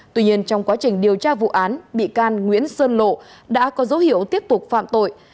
tuy nhiên trong quá trình điều tra vụ án bị can nguyễn sơn lộ đã có dấu hiệu tiếp tục phạm tội